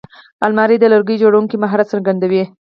الماري د لرګیو جوړوونکي مهارت څرګندوي